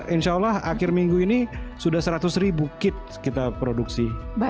insya allah akhir minggu ini sudah seratus ribu kit kita produksi